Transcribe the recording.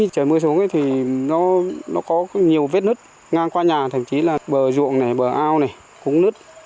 có nhiều vết nứt ngang qua nhà thậm chí là bờ ruộng này bờ ao này cũng nứt